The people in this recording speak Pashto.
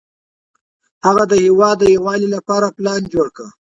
هغه د هېواد د یووالي لپاره پلان جوړ کړ.